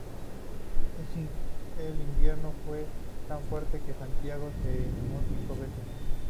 El invierno fue tan fuerte que Santiago se inundó cinco veces.